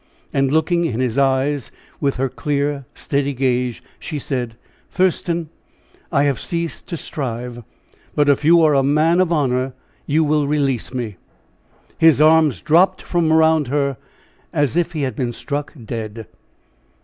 And looking in his eyes, with her clear, steady gaze, she said: "Thurston, I have ceased to strive. But if you are a man of honor, you will release me." His arms dropped from around her as if he had been struck dead.